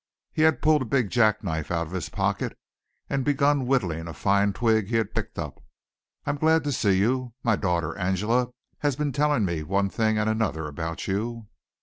He had pulled a big jackknife out of his pocket and begun whittling a fine twig he had picked up. "I'm glad to see you. My daughter, Angela, has been telling me one thing and another about you."